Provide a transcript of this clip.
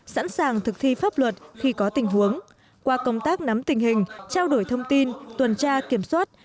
sẵn sàng thực thi pháp luật khi có tình huống qua công tác nắm tình hình trao đổi thông tin tuần tra kiểm soát